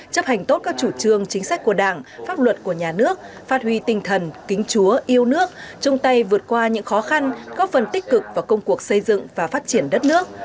chấp hành tốt các chủ trương chính sách của đảng pháp luật của nhà nước phát huy tinh thần kính chúa yêu nước chung tay vượt qua những khó khăn góp phần tích cực vào công cuộc xây dựng và phát triển đất nước